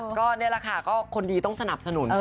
ก็นี่แหละค่ะก็คนดีต้องสนับสนุน